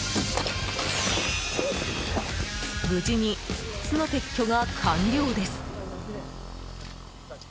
無事に、巣の撤去が完了です。